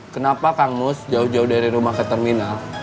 kenapa kang mus jauh jauh dari rumah ke terminal